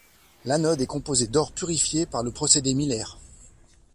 L'anode est composée d'or purifié par le procédé Miller.